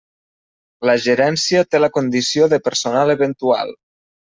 La Gerència té la condició de personal eventual.